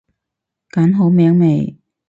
揀好名未？